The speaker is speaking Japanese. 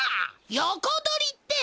横取りって！